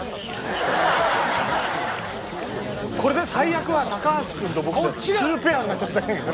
これで最悪は高橋君と僕で２ペアになっちゃったり。